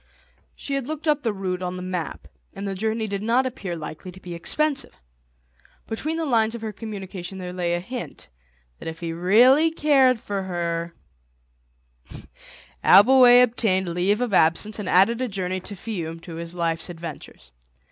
She had looked up the route on the map, and the journey did not appear likely to be expensive. Between the lines of her communication there lay a hint that if he really cared for her— Abbleway obtained leave of absence and added a journey to Fiume to his life's adventures.